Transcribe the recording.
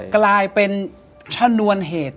กลายเป็นชนวนเหตุ